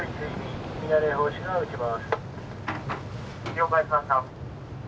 「了解しました」。